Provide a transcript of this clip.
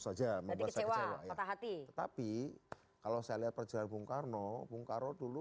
saja membuat saya kecewa ya hati tetapi kalau saya lihat perjalanan bung karno bung karno dulu